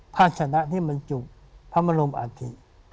พาชนะที่มันจุบพระมรมอาทิ